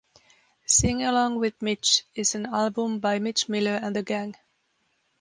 Sing Along with Mitch is an album by Mitch Miller and The Gang.